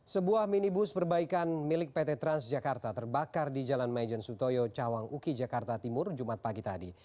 sebuah minibus perbaikan milik pt transjakarta terbakar di jalan majen sutoyo cawang uki jakarta timur jumat pagi tadi